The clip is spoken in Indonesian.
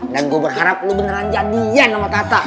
dan gua berharap lo beneran jadian sama tata